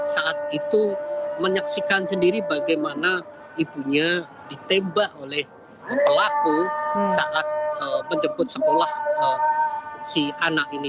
saat itu menyaksikan sendiri bagaimana ibunya ditembak oleh pelaku saat menjemput sekolah si anak ini